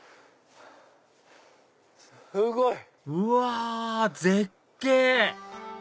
すごい！うわ絶景！